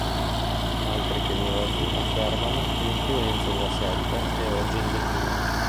Altri kenioti affermano che l'influenza della setta è oggi in declino.